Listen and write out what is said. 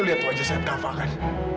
lo lihat wajah saya kak fa kan